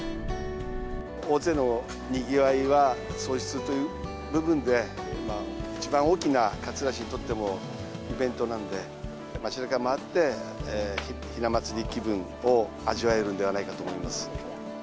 大勢のにぎわいは、創出という部分で、一番大きな、勝浦市にとってもイベントなんで、街なかを回ってひな祭り気分を味わえるんではないかと思います。